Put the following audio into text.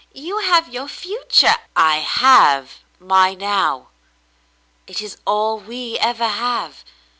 You have your future —" "I have my now. It is all we ever have.